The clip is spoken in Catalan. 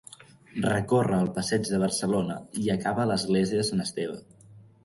Recórre el Passeig de Barcelona i acaba a l'església de Sant Esteve.